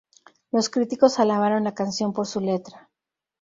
Los críticos alabaron la canción por su letra.